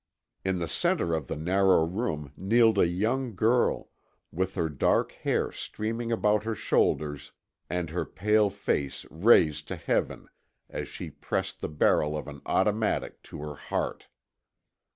In the center of the narrow room kneeled a young girl, with her dark hair streaming about her shoulders and her pale face raised to heaven as she pressed the barrel of an automatic to her heart.